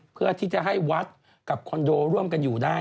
เพื่อที่จะให้วัดกับคอนโดร่วมกันอยู่ได้